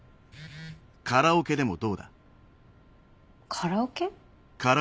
カラオケ？